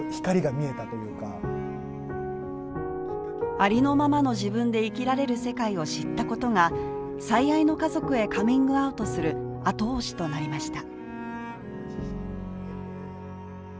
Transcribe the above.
ありのままの自分で生きられる世界を知ったことが最愛の家族へカミングアウトする後押しとなりました。